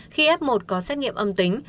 khi f một có xét nghiệm âm tính